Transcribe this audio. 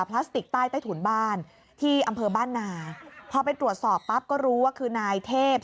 พลาสติกใต้ใต้ถุนบ้านที่อำเภอบ้านนาพอไปตรวจสอบปั๊บก็รู้ว่าคือนายเทพ